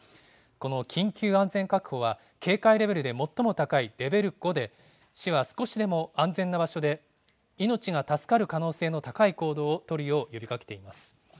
この緊急安全確保は、警戒レベルで最も高いレベル５で、市は少しでも安全な場所で命が助かる可能性が高い行動を取るよう呼びかけています。